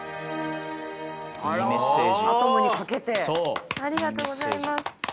ありがとうございます。